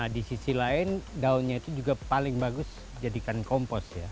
di sisi lain daunnya itu juga paling bagus jadikan kompos ya